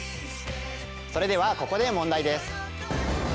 それではここで問題です。